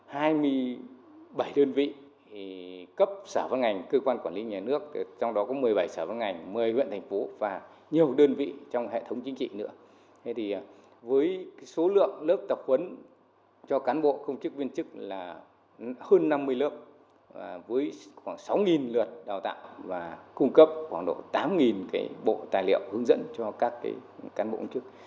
hàng tháng có hơn bảy mươi lượt đào tạo và cung cấp khoảng độ tám bộ tài liệu hướng dẫn cho các cán bộ công chức